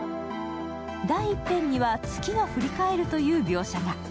第１編には、月が振り返るという描写が。